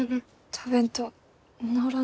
食べんと治らんで。